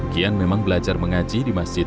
kian memang belajar mengaji di masjid